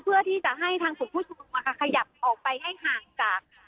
เพื่อที่จะให้ทางผู้ชุมนุมมาค่ะขยับออกไปให้ห่างจาก